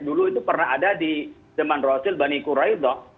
dulu itu pernah ada di jeman rosil bani quraidah